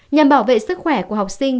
nhằm bảo vệ sức khỏe của học sinh